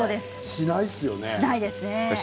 しないですよね。